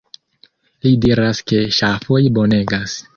Li diras ke ŝafoj bonegas.